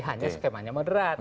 hanya skemanya moderat